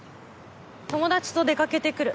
友達と出かけてくる。